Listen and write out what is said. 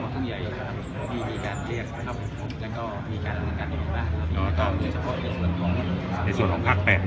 เกี่ยวกับกรณีที่พูดกับคำว่าทุ่งใหญ่มีการเรียกแล้วก็มีการดำเนินการอยู่หรือเปล่า